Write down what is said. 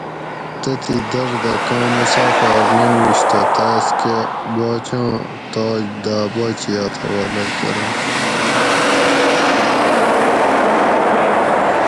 تتھیں در دہ کاں مسافاۤر لنگُوش تہ تاۤس کہ باچاں تاج داۤ باچیاۤت حوالہ کرنش